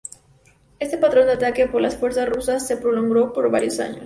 Este patrón de ataque por las fuerzas rusas se prolongó por varios años.